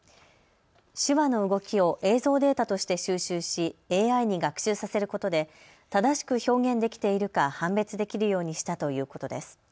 手話の動きを映像データとして収集しＡＩに学習させることで正しく表現できているか判別できるようにしたということです。